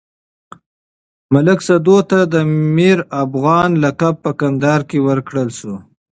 ملک سدو ته د ميرافغانه لقب په کندهار کې ورکړل شو.